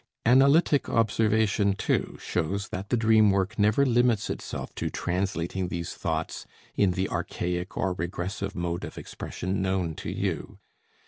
Analytic observation, too, shows that the dream work never limits itself to translating these thoughts in the archaic or regressive mode of expression known to you.